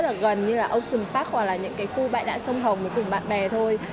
những cái khu rất là gần như là ocean park hoặc là những cái khu bãi đạn sông hồng với cùng bạn bè thôi